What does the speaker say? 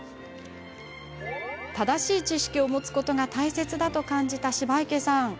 正しい知識を持つことが大切だと感じた芝池さん。